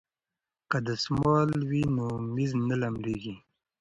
که دستمال وي نو میز نه لمدیږي.